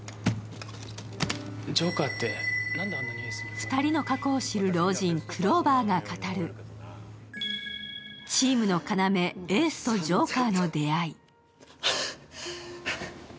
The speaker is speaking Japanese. ２人の過去を知る老人、クローバーが語る、チームの要、エースとジョーカーの出会い。